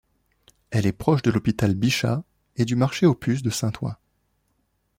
Elle est proche de l'hôpital Bichat et du marché aux puces de Saint-Ouen.